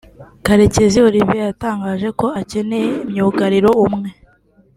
Karekezi Olivier yatangaje ko akeneye myugariro umwe